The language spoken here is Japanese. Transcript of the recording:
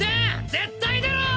絶対出ろ！